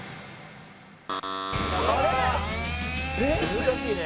難しいね。